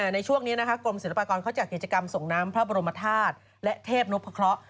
ในช่วงนี้กรมศิลปากรเขาจะกิจกรรมสงน้ำพระบรมธาตุและเทพนุพคร